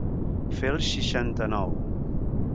Fer el seixanta-nou.